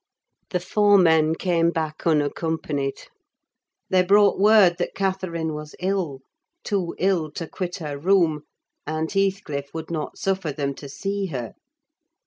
The four men came back unaccompanied also. They brought word that Catherine was ill: too ill to quit her room; and Heathcliff would not suffer them to see her.